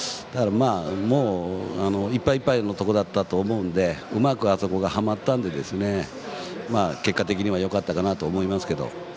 もう、いっぱいいっぱいのところだったと思うのでうまくあそこがはまったので結果的にはよかったかなと思いますけど。